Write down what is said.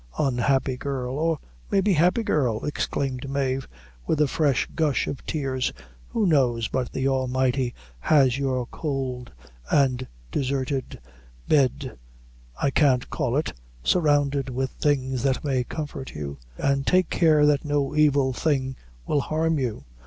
"Unhappy girl or maybe happy girl," exclaimed Mave, with a fresh gush of tears, "who knows but the Almighty has your cold and deserted bed I can't call it surrounded with beings that may comfort you, an' take care that no evil thing will harm you.